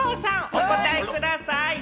お答えください。